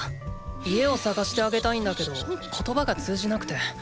家を探してあげたいんだけど言葉が通じなくて。